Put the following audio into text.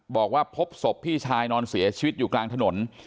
บอกว่าพบศพพี่ชายนอนเสียชีวิตอยู่กลางถนน